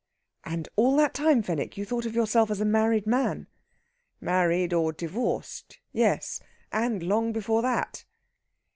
"And all that time, Fenwick, you thought of yourself as a married man?" "Married or divorced yes. And long before that."